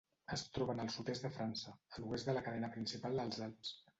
Es troba en el sud-est de França, a l'oest de la cadena principal dels Alps.